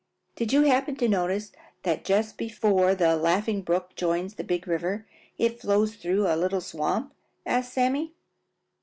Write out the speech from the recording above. "Did you happen to notice that just before the Laughing Brook joins the Big River it flows through a little swamp?" asked Sammy.